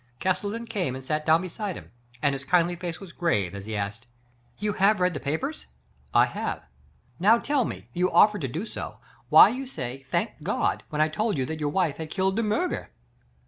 Castleton came and sat down beside him, and his kindly face was grave as he asked: " You have read the papers ?"" I have." " Now tell me — you offered to do so — why you said * Thank God !* when I told you that your wife had killed De Murger?"